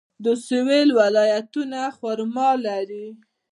د سویل ولایتونه خرما لري.